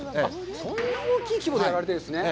そんな大きい規模でやられてるんですね。